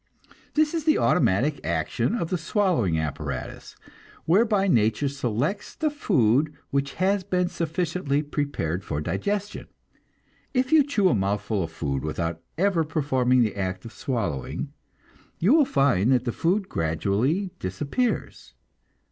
This is the automatic action of the swallowing apparatus, whereby nature selects the food which has been sufficiently prepared for digestion. If you chew a mouthful of food without ever performing the act of swallowing, you will find that the food gradually disappears.